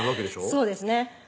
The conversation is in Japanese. そうですね